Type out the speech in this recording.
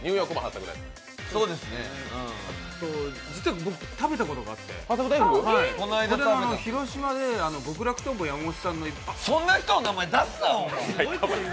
実は僕、食べたことがあって広島で極楽とんぼ・山本さんのそんな人の名前出すな！